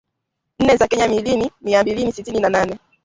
nne za Kenya milini miambili tisini na nane